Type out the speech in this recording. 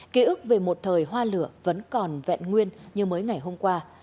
ký ức về một thời hoa lửa vẫn còn vẹn nguyên như mới ngày hôm qua